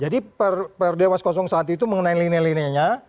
jadi per dewas satu itu mengenai nilainya